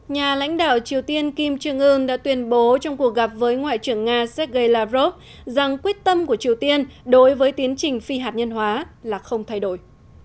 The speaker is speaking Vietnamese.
nhà lãnh đạo triều tiên kim trương ương đã tuyên bố trong cuộc gặp với ngoại trưởng nga sergei lavrov rằng quyết tâm của triều tiên đối với tiến trình phi hạt nhân hóa là không thay đổi